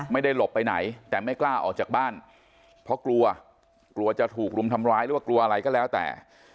หลบไปไหนแต่ไม่กล้าออกจากบ้านเพราะกลัวกลัวจะถูกรุมทำร้ายหรือว่ากลัวอะไรก็แล้วแต่